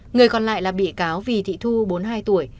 người còn lại là bị cáo vì thị thu bốn mươi hai tuổi